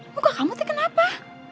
buka kamu teh kenapa